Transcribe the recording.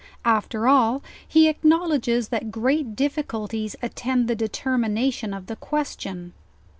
After all, he acknowledges that great difficulties attend the determination of the question.